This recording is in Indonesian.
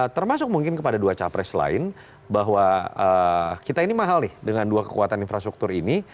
termasuk mungkin kepada dua capres lain bahwa kita ini mahal nih dengan dua kekuatan infrastruktur ini